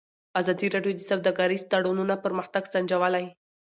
ازادي راډیو د سوداګریز تړونونه پرمختګ سنجولی.